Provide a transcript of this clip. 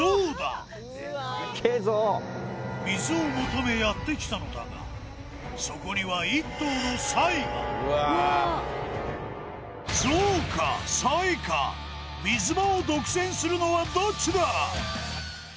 水を求めやってきたのだがそこには１頭のサイがゾウかサイか水場を独占するのはどっちだ？